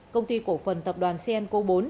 công ty cổ phần tập đoàn cn cô bốn